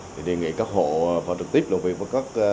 thì đề nghị các hộ phải trực tiếp làm việc với các